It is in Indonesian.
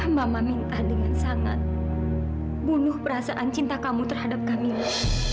mama minta dengan sangat bunuh perasaan cinta kamu terhadap kami